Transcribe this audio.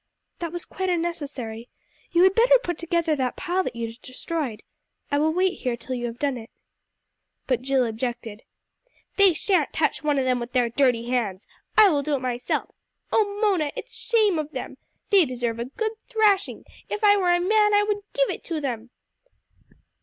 "That was quite unnecessary. You had better put together that pile that you have destroyed. I will wait here till you have done it." But Jill objected. "They shan't touch one of them with their dirty hands! I will do it myself. Oh, Mona, it's a shame of them! They deserve a good thrashing. If I were a man I would give it to them!"